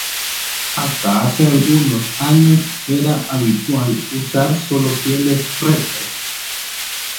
Hasta hace algunos años era habitual usar solo pieles rectas.